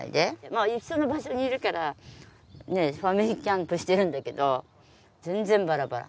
まあ一緒の場所にいるからファミリーキャンプしているんだけど全然バラバラ。